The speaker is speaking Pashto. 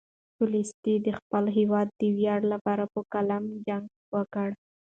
تولستوی د خپل هېواد د ویاړ لپاره په قلم جنګ وکړ.